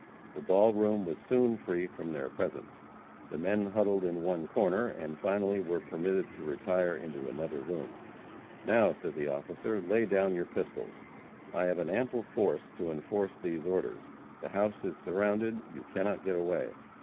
The ball room was soon free from their presence. The men huddled in one corner, and finally were permitted to retire into another room. "Now," said the officer, "lay down your pistols. I have an ample force to enforce these orders. The house is surrounded; you cannot get away."